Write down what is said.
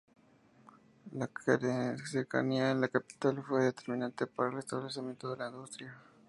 La cercanía con la capital fue determinante para el establecimiento de la industria.